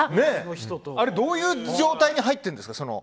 あれはどういう状態に入ってるんですか？